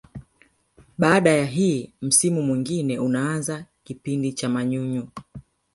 Baada ya hii msimu mwingine unaanza kipindi cha manyunyu